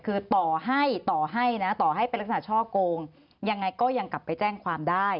ก็คือต่อให้ลักษณะช่อโกงยังไหนก็ยังกลับไปแจ้งความได้